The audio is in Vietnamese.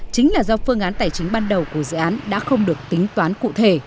chính là do phương án tài chính ban đầu của dự án đã không được tính toán cụ thể